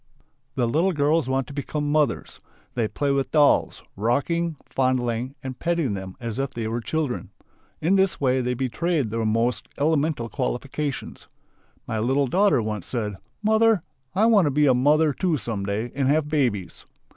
The little girls want to become "mothers." They play with dolls, rocking, fondling, and petting them as if they were children. In this way they betray their most elemental qualification. My little daughter once said: "Mother! I want to be a mother, too, some day and have babies."